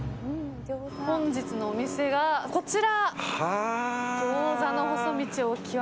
本日のお店が、こちら。